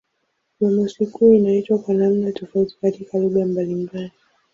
Jumamosi kuu inaitwa kwa namna tofauti katika lugha mbalimbali.